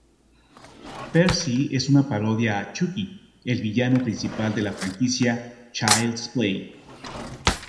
Percy es una parodia a Chucky, el villano principal de la franquicia "Child's Play".